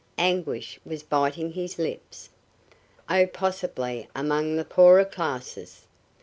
Anguish was biting his lips. "Oh, possibly among the poorer classes.